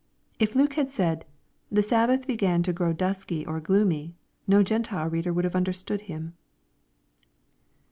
If Luke had said, " The Sabbath began to grow dusky or gloomy," no Gen tile reader would have understood him.